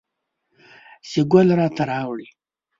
چې ګل راته راوړي